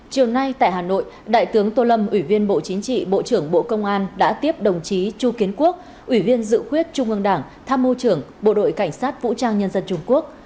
chiều nay tại hà nội đại tướng tô lâm ủy viên bộ chính trị bộ trưởng bộ công an đã tiếp đồng chí chu kiến quốc ủy viên dự khuyết trung ương đảng tham mưu trưởng bộ đội cảnh sát vũ trang nhân dân trung quốc